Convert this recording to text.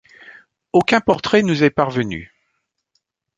Aucun portrait nous est parvenu.